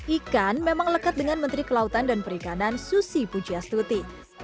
ikan memang lekat dengan menteri kelautan dan perikanan susi pujiastuti